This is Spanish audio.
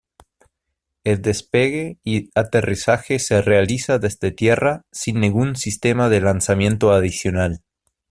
El despegue y aterrizaje se realiza desde tierra sin ningún sistema de lanzamiento adicional.